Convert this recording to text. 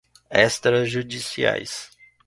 extrajudiciais